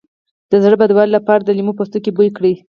د زړه بدوالي لپاره د لیمو پوستکی بوی کړئ